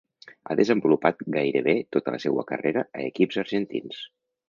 Ha desenvolupat gairebé tota la seua carrera a equips argentins.